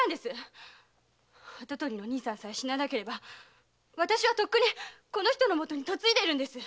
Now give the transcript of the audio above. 跡取りの兄さんさえ死ななければ私はとっくにこの人の元に嫁いでるんです！